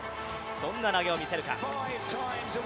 どんな投げを見せるか。